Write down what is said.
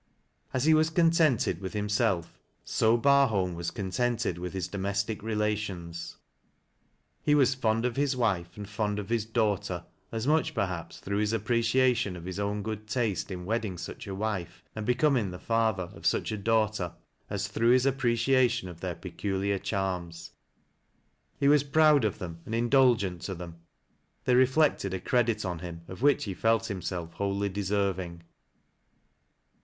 As he was contented with himself, so Bar bolm was contented with his domestic relations. He was fond of his wife, and fond of his daughter, as much, perhaps, through his appreciation of his cwn good taste in wedding such a wife, and becoming the father of such > 28 TEAT LAS8 0" LOWBIBTS. Jau^hterj as through his appreciation of their pcculia. charms. He was proud of them and indulgent to them They reflected a credit on him of which he felt himseH wholly deserving.